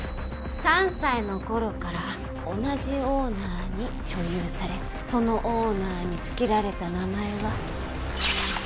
３歳のころから同じオーナーに所有されそのオーナーに付けられた名前は。